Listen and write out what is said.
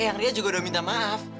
yang dia juga udah minta maaf